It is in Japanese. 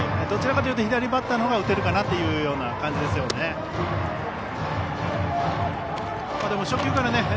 どちらかというと左バッターのほうが打てるかなという感じですかね。